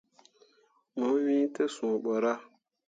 Mo wŋni te sũũ borah.